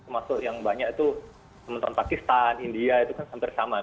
maksud yang banyak itu sementara pakistan india itu kan hampir sama